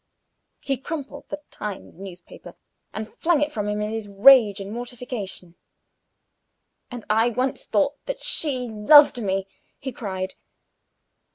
He crumpled the Times newspaper, and flung it from him in his rage and mortification. "And I once thought that she loved me," he cried.